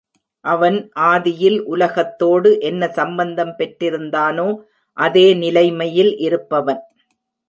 அவன் ஆதியில் உலகத்தோடு என்ன சம்பந்தம் பெற்றிருந்தானோ அதே நிலைமையில் இருப்பவன்.